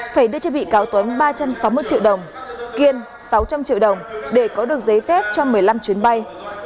phải đưa cho bị cáo tuấn ba trăm sáu mươi triệu đồng kiên sáu trăm linh triệu đồng để có được giấy phép cho một mươi năm chuyến bay